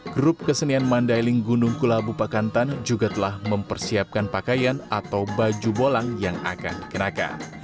grup kesenian mandailing gunung kulabu pakantan juga telah mempersiapkan pakaian atau baju bolang yang akan dikenakan